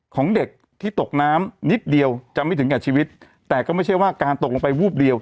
ของเด็กที่ตกน้ำนิดเดียวจะไม่ถึงกับชีวิตแต่ก็ไม่ใช่ว่าการตกลงไปวูบเดียว